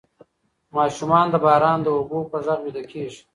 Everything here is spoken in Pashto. ماشومان د باران د اوبو په غږ ویده کیږي.